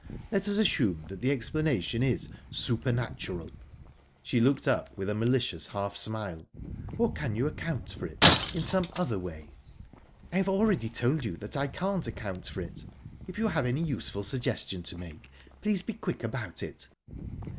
Let us assume that the explanation is supernatural..." she looked up with a malicious half smile "or can you account for it in some other way?" "I have already told you that I can't account for it. If you have any useful suggestion to make, please be quick about it."